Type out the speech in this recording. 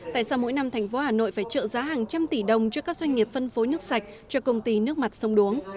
tại sao mỗi năm thành phố hà nội phải trợ giá hàng trăm tỷ đồng cho các doanh nghiệp phân phối nước sạch cho công ty nước mặt sông đuống